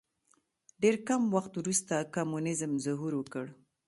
ډېر کم وخت وروسته کمونیزم ظهور وکړ.